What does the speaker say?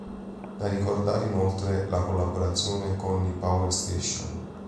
Da ricordare inoltre la collaborazione con i Power Station.